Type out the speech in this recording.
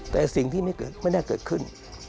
แต่สิ่งที่ไม่เกิดไม่ได้เกิดขึ้น